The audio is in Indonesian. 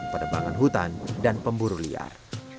penebangan hutan dan pemburu liar